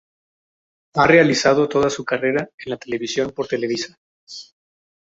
Ha realizado toda su carrera en la televisión por Televisa.